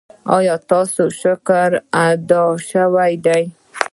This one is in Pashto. ایا ستاسو شکر ادا شوی دی؟